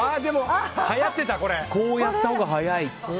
こうやったほうが速い。